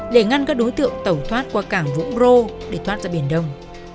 để ngăn các đối tượng tẩu thoát qua cảng vũng rô để thoát ra biển đông